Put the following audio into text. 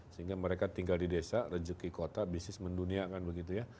sehingga mereka tinggal di desa rejeki kota bisnis mendunia kan begitu ya